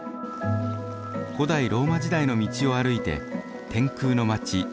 古代ローマ時代の道を歩いて天空の街チヴィタへ。